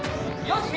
よし。